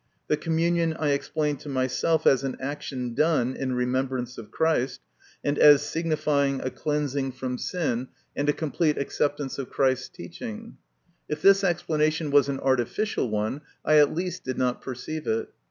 The communion I explained to myself as an action done in remembrance of Christ, and as signifying a cleansing from sin and a MY CONFESSION. 129 complete acceptance of Christ's teaching, If this explanation was an artificial one, I at least did not perceive it.